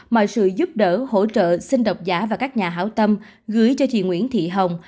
mọi sự giúp đỡ hỗ trợ xin độc giả và các nhà hảo tâm gửi cho chị nguyễn thị hồng